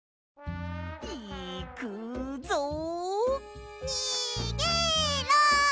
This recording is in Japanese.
いくぞ！にげろ！